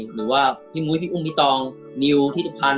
หรือว่าพี่มุ้ยพี่อุ้งพี่ตองนิวทิศพันธ์